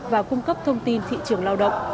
và cung cấp thông tin thị trường lao động